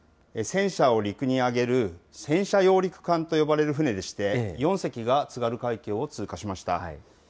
戦車を陸に揚げる戦車揚陸艦と呼ばれる船でして、４隻が津軽海峡を通過しました。